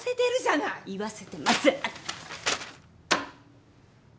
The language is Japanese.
言わせてません！